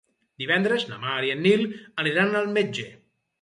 Divendres na Mar i en Nil aniran al metge.